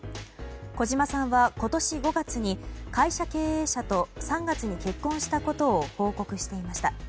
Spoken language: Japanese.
小島さんは今年５月に会社経営者と３月に結婚したことを報告していました。